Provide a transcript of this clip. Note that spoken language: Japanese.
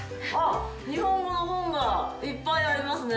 日本語の本がいっぱいありますね。